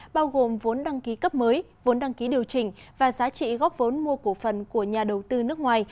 bao gồm vốn đăng ký cấp mới vốn đăng ký điều chỉnh và giá trị góp vốn mua cổ phần của nhà đầu tư nước ngoài